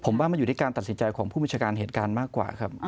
ผมว่ามันอยู่ที่การตัดสินใจของผู้บัญชาการเหตุการณ์มากกว่าครับ